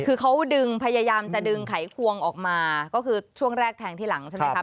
คือเขาดึงพยายามจะดึงไขควงออกมาก็คือช่วงแรกแทงที่หลังใช่ไหมครับ